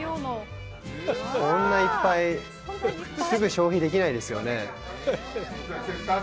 こんないっぱいすぐ消費できないですよね